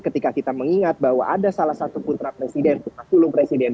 jadi ketika kita mengingat bahwa ada salah satu putra presiden putra tulung presiden